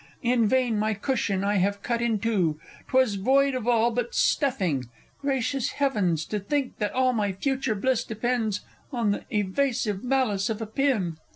In vain my cushion I have cut in two 'Twas void of all but stuffing ... Gracious Heavens, To think that all my future bliss depends On the evasive malice of a pin!